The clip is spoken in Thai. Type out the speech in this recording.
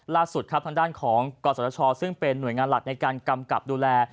ล่าสุดครับทางด้านของกศชซึ่งเป็นหน่วยงานหลักในการกำกับดูแล